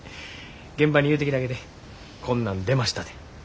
現場に言うてきたげてこんなん出ましたて。